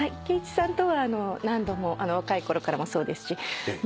貴一さんとは何度も若いころからもそうですし。